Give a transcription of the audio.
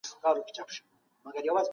د مال په ګټلو کي حلاله لاره غوره کړه.